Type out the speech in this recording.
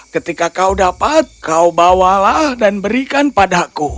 ketika kau dapat kau bawalah dan berikan padaku